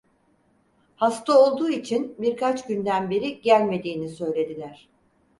Hasta olduğu için birkaç günden beri gelmediğini söylediler.